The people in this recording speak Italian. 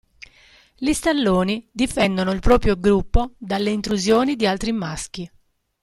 Gli stalloni difendono il proprio gruppo dalle intrusioni di altri maschi.